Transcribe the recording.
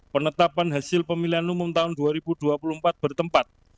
penetapan hasil pemilihan umum tahun dua ribu dua puluh empat bertempat